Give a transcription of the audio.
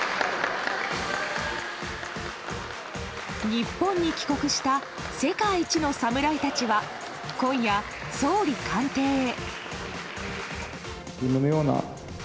日本に帰国した世界一の侍たちは今夜、総理官邸へ。